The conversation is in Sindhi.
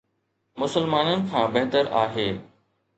مسلمانن کان بهتر آهي